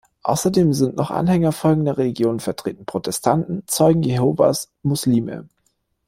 Außerdem sind noch Anhänger folgender Religionen vertreten: Protestanten, Zeugen Jehovas, Muslime.